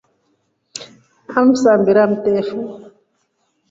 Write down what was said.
Amsambira mtefu.